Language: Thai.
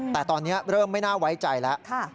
แต่ตอนนี้เริ่มไม่น่าไว้ใจแล้ว